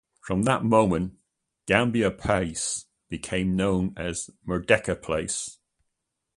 From that moment, Gambir Palace became known as Merdeka Palace.